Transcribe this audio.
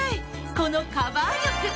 このカバー力。